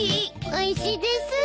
おいしいです！